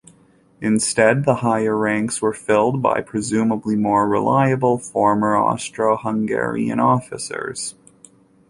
Instead, the higher ranks were filled by presumably more reliable former Austro-Hungarian officers.